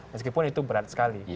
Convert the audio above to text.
meskipun itu berat sekali